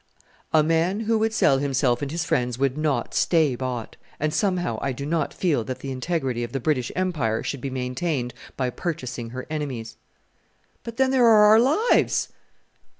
"A man who would sell himself and his friends would not stay bought; and, somehow, I do not feel that the integrity of the British Empire should be maintained by purchasing her enemies." "But then there are our lives!"